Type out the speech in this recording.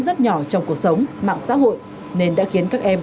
rất nhỏ trong cuộc sống mạng xã hội nên đã khiến các em